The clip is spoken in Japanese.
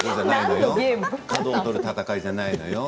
角を取るゲームじゃないのよ。